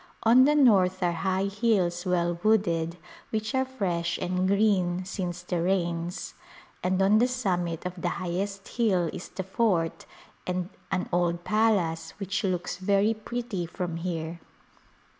On the north are high hills well wooded which are fresh and green since the rains, and on the summit of the highest hill is the fort and an old palace which looks very pretty from here.